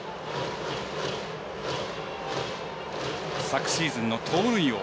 昨シーズンの盗塁王。